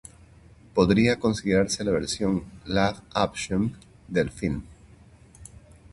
Podría considerarse la versión "live action" del filme.